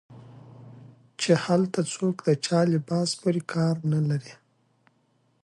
چې هلته څوک د چا لباس پورې کار نه لري